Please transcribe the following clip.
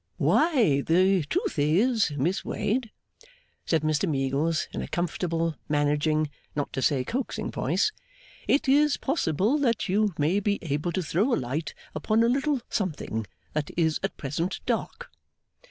'Why, the truth is, Miss Wade,' said Mr Meagles, in a comfortable, managing, not to say coaxing voice, 'it is possible that you may be able to throw a light upon a little something that is at present dark.